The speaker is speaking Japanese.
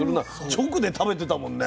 直で食べてたもんね。